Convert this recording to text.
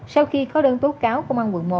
sau khi có đơn tố cáo công an quận một